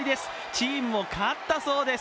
チームも勝ったそうです。